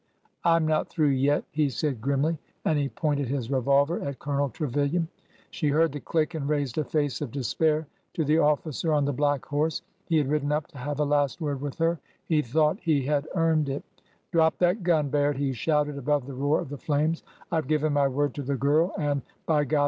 I 'm not through yet," he said grimly, and he pointed his revolver at Colonel Trevilian. She heard the click and raised a face of despair to the officer on the black horse. He had ridden up to have a last word with her. He thought he had earned it. 284 ORDER NO. 11 Drop that gun, Baird !'' he shouted above the roar of the flames. I Ve given my word to the girl, and, by God!